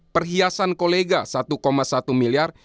perhiasan kolega satu satu miliar